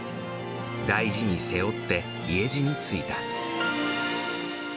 大事に背負って、家路についた。